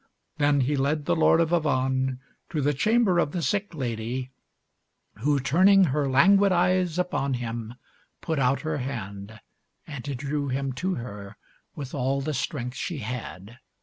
Then he led the Lord of Avannes to the chamber of the sick lady, who, turning her languid eyes upon him, put out her hand and drew him to her with all the strength she had.